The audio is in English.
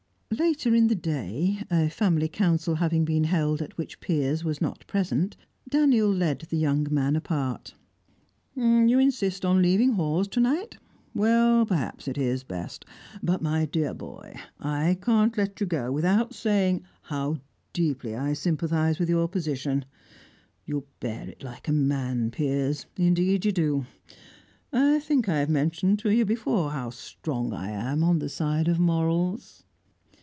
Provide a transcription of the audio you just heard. Later in the day a family council having been held at which Piers was not present Daniel led the young man apart. "You insist on leaving Hawes to night? Well, perhaps it is best. But, my dear boy, I can't let you go without saying how deeply I sympathise with your position. You bear it like a man, Piers; indeed you do. I think I have mentioned to you before how strong I am on the side of morals."